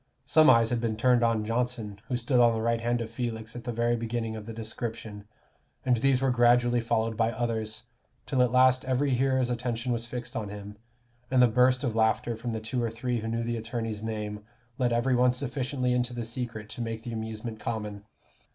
Some eyes had been turned on Johnson, who stood on the right hand of Felix, at the very beginning of the description, and these were gradually followed by others, till at last every hearer's attention was fixed on him, and the first burst of laughter from the two or three who knew the attorney's name, let every one sufficiently into the secret to make the amusement common.